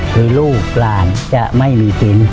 คือลูกหลานจะไม่มีกิน